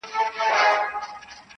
د مرګي لښکري بند پر بند ماتیږي-